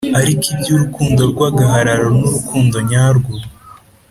Ariko ibyo urukundo rw agahararo n urukundo nyarwo